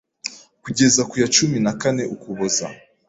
Kugeza ku ya cumi na kane Ukuboza